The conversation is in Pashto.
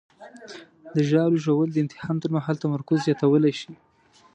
د ژاولې ژوول د امتحان پر مهال تمرکز زیاتولی شي.